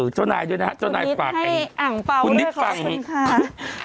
เจ้านายด้วยนะฮะเจ้านายฝากเองคุณนิดให้อ่างเปาด้วยขอบคุณค่ะ